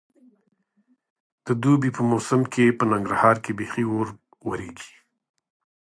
د دوبي په موسم کې په ننګرهار کې بیخي اور ورېږي.